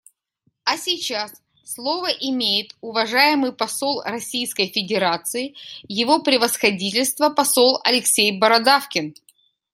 А сейчас слово имеет уважаемый посол Российской Федерации — Его Превосходительство посол Алексей Бородавкин.